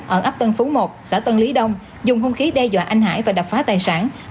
ở ấp tân phú một xã tân lý đông dùng hung khí đe dọa anh hải và đập phá tài sản